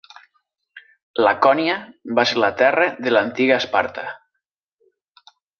Lacònia va ser la terra de l'antiga Esparta.